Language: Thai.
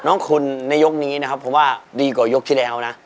น้องคุณในยกนี้นะครับผมว่าดีกว่ายกที่แล้วนะ